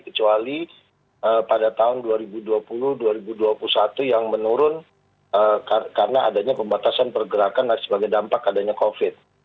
kecuali pada tahun dua ribu dua puluh dua ribu dua puluh satu yang menurun karena adanya pembatasan pergerakan dan sebagai dampak adanya covid